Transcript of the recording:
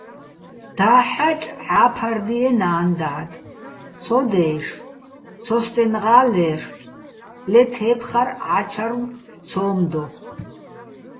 დაჰ̦აჭ ჸა́ფარდიეჼ ნა́ნ-დად, ცო დე́შო̆, ცოსტენღა́ ლე́რლ'ო̆, ლე თე́ფხარ-ა́ჩარვ ცო́მ დო.